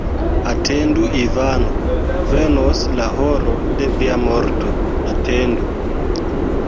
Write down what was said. Atendu, Ivano: venos la horo de via morto, atendu!